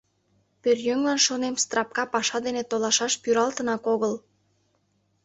Пӧръеҥлан, шонем, страпка паша дене толашаш пӱралтынак огыл.